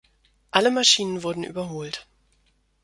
Alle Maschinen wurden überholt.